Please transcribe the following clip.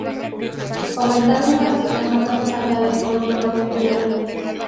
Como en todas las fiestas, no puede faltar el folclore popular.